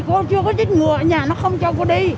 cô chưa có chích ngựa ở nhà nó không cho cô đi